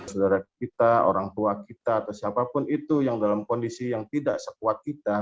saudara kita orang tua kita atau siapapun itu yang dalam kondisi yang tidak sekuat kita